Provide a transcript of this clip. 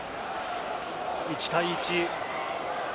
１対１。